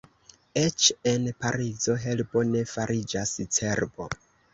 Eĉ en Parizo herbo ne fariĝas cerbo.